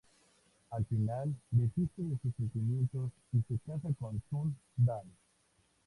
Al final desiste de sus sentimientos y se casa con Sun Dal.